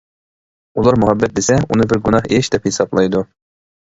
ئۇلار مۇھەببەت دېسە, ئۇنى بىر گۇناھ ئىش دەپ ھېسابلايدۇ.